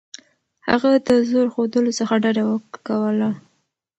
هغه د زور ښودلو څخه ډډه کوله.